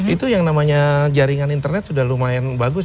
itu yang namanya jaringan internet sudah lumayan bagus